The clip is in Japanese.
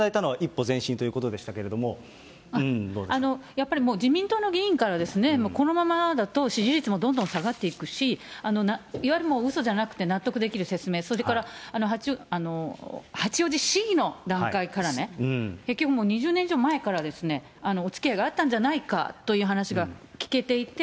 やっぱり自民党の議員からも、このままだと支持率もどんどん下がっていくし、いわゆるうそじゃなくて納得できる説明、それから八王子市議の段階からね、結局もう２０年以上前からですね、おつきあいがあったんじゃないかというお話が聞けていて。